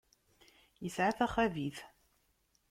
Isɛa taxabit.